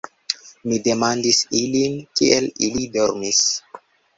Mi demandis ilin, kiel ili dormis.